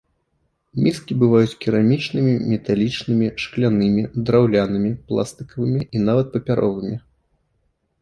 Міскі бываюць керамічнымі, металічнымі, шклянымі, драўлянымі, пластыкавымі і нават папяровымі.